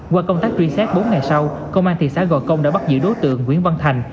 qua công tác truy xét bốn ngày sau công an thị xã gò công đã bắt giữ đối tượng nguyễn văn thành